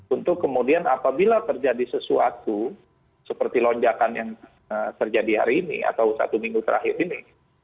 untuk kemudian apabila terjadi sesuatu seperti lonjakan yang terjadi hari ini atau satu minggu terakhir ini